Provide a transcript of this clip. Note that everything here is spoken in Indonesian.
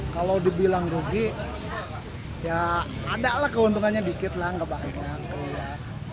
kalau dibilang rugi ya ada lah keuntungannya dikit lah nggak banyak